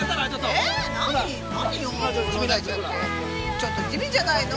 ちょっと地味じゃないの？